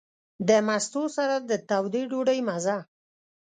د مستو سره د تودې ډوډۍ مزه.